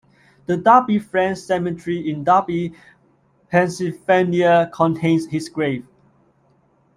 The Darby Friends Cemetery in Darby, Pennsylvania contains his grave.